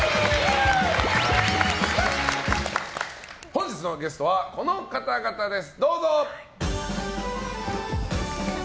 本日のゲストはこの方々です！